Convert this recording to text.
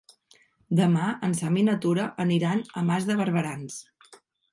Demà en Sam i na Tura aniran a Mas de Barberans.